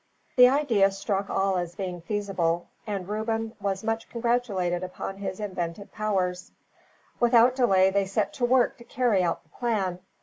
The idea struck all as being feasible, and Reuben was much congratulated upon his inventive powers. Without delay, they set to work to carry out the plan.